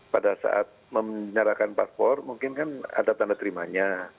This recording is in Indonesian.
pada saat menyerahkan paspor mungkin kan ada tanda terimanya